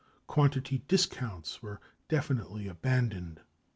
Quantity discounts were definitely abandoned.